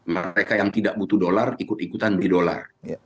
mereka yang tidak butuh dolar ikut ikutan beli dolar